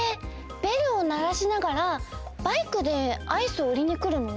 ベルをならしながらバイクでアイスをうりにくるの？